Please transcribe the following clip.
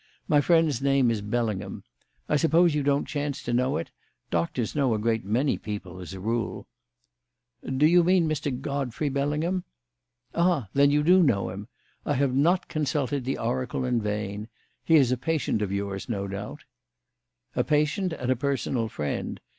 My friend's name is Bellingham. I suppose you don't chance to know it? Doctors know a great many people, as a rule." "Do you mean Mr. Godfrey Bellingham?" "Ah! Then you do know him. I have not consulted the oracle in vain. He is a patient of yours, no doubt?" "A patient and a personal friend.